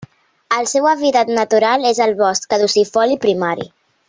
El seu hàbitat natural és el bosc caducifoli primari.